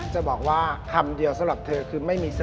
จะบอกว่าคำเดียวสำหรับเธอคือไม่มีสติ